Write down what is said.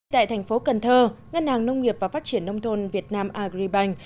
tại thành phố cần thơ ngân hàng nông nghiệp và phát triển nông thôn việt nam agribank